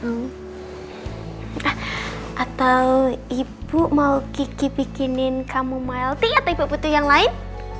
ah atau ibu mau gigi bikinin kamu melty atau ibu butuh yang lain